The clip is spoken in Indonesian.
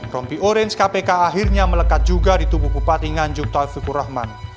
rompi orange kpk akhirnya melekat juga di tubuh bupati nganjuk taufikur rahman